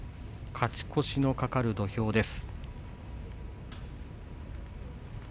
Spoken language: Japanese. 勝ち越しの懸かる土俵です。